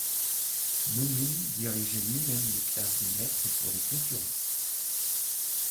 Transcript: Menuhin dirigeait lui-même les classes de maître pour les concurrents.